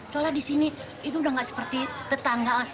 soalnya disini itu udah gak seperti tetanggaan